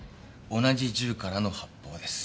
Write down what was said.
同じ銃からの発砲です。